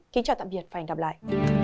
kính chào tạm biệt và hẹn gặp lại